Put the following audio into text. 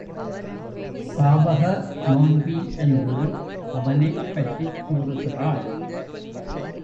சாவக நோன்பி என்று அவனைப் பற்றிக் கூறுகிறாள்.